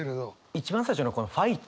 一番最初のこの「ファイト！」。